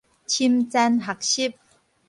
深層學習